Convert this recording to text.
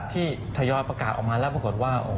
ทยอยประกาศออกมาแล้วปรากฏว่า